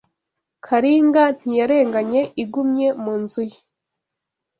Karinga ntiyarenganye Igumye mu nzu ye